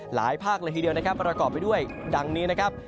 ภาคเลยทีเดียวนะครับประกอบไปด้วยดังนี้นะครับ